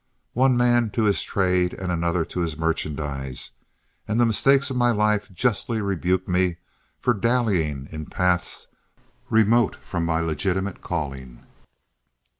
One man to his trade and another to his merchandise, and the mistakes of my life justly rebuke me for dallying in paths remote from my legitimate calling.